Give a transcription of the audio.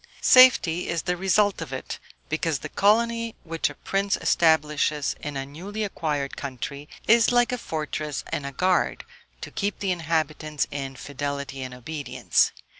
Safety is the result of it; because the colony which a prince establishes in a newly acquired country, is like a fortress and a guard, to keep the inhabitants in fidelity and obedience.